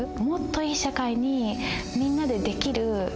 もっといい社会にみんなでできる。